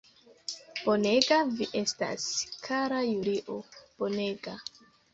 Bonega vi estas, kara Julio, bonega!